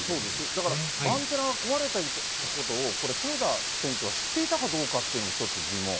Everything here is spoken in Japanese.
だから、アンテナが壊れていたことをこれ豊田船長は知っていたかどうかということが一つ疑問。